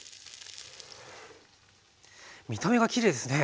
見た目がきれいですね。